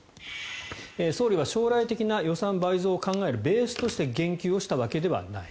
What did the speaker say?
総理は将来的な予算倍増を考えるベースとして言及をしたわけではない。